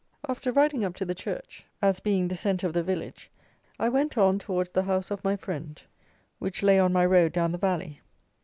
After riding up to the church, as being the centre of the village, I went on towards the house of my friend, which lay on my road down the valley.